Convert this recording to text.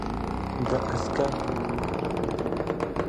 د عسکر کولمې را وتلې وې.